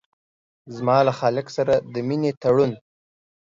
زما له خالق سره د مينې تړون